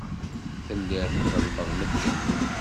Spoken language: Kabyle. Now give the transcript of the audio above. Telliḍ tḍellmeḍ medden.